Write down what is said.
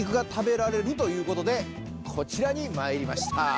こちらにまいりました。